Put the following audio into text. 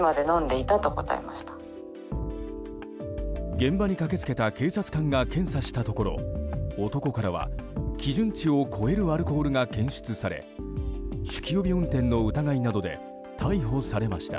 現場に駆け付けた警察官が検査したところ男からは、基準値を超えるアルコールが検出され酒気帯び運転の疑いなどで逮捕されました。